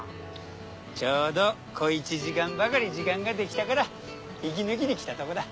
ちょうど小１時間ばかり時間ができたから息抜きに来たとこだ。